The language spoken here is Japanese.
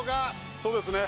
そうですね。